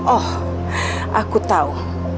oh aku tahu